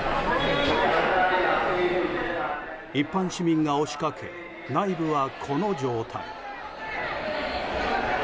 一般市民が押しかけ内部はこの状態。